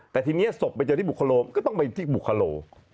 แต่ทีนี้ศพไปเจอที่บุคโลก็ต้องไปที่บุคโล